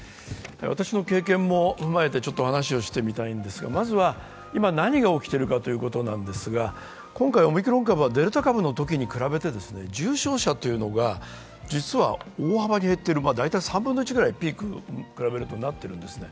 私の経験も踏まえてちょっと話をしてみたいんですが、まずは、今何が起きているかということなんですが、今回オミクロン株はデルタ株のときに比べて重症者が実は大幅に減っている、ピークに比べると３分１ぐらいになっているんですね。